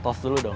tos dulu dong